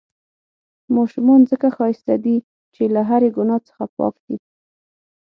ماشومان ځڪه ښايسته دي، چې له هرې ګناه څخه پاک دي.